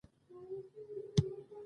شمېر یې خورا زیات و